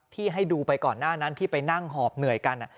ให้ดูไปก่อนหน้านั้นที่ไปนั่งหอบเหนื่อยกัน